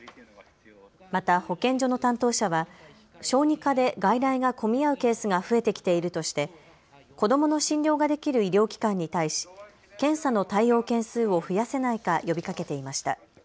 また保健所の担当者は小児科で外来が混み合うケースが増えてきているとして子どもの診療ができる医療機関に対し検査の対応件数を増やせないか呼びかけていました。